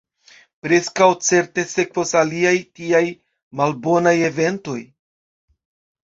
Preskaŭ certe sekvos aliaj tiaj malbonaj eventoj.